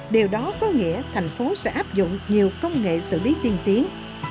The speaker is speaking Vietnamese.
điều đó có nghĩa thành phố sẽ áp dụng nhiều công nghệ xử lý tiên tiến